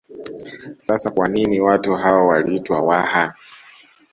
Sasa kwa nini watu hao waliitwa Waha